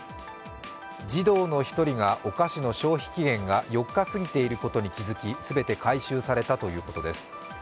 児童の１人がお菓子の消費期限が４日過ぎていることに気付き全て回収されたということです。